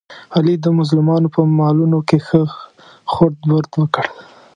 علي د مظلومانو په مالونو کې ښه خورد برد وکړ.